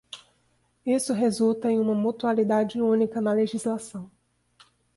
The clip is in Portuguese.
Isso resulta em uma mutabilidade única na legislação.